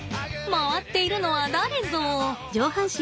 回っているのは誰ぞ？